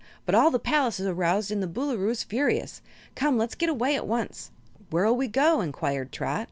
But all the palace is aroused and the Boolooroo is furious. Come, let's get away at once!" "Where'll we go?" inquired Trot.